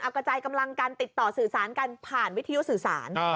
กระจายกำลังกันติดต่อสื่อสารกันผ่านวิทยุสื่อสาร